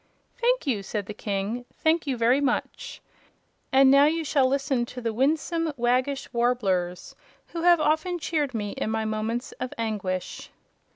"Thank you," said the King; "thank you very much. And now you shall listen to the Winsome Waggish Warblers, who have often cheered me in my moments of anguish."